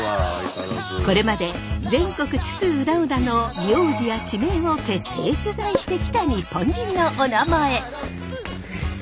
これまで全国津々浦々の名字や地名を徹底取材してきた「日本人のおなまえ」。